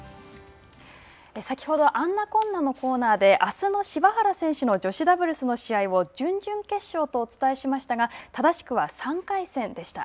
先ほど「あんなこんな」のコーナーで、あすの柴原選手の女子ダブルスの試合を準々決勝とお伝えしましたが、正しくは３回戦でした。